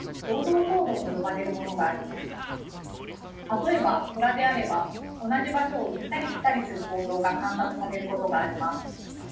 たとえばトラであれば同じ場所を行ったり来たりする行動が観察されることがあります。